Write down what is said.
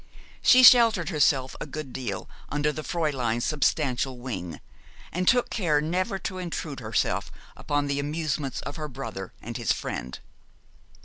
She sheltered herself a good deal under the Fräulein's substantial wing, and took care never to intrude herself upon the amusements of her brother and his friend.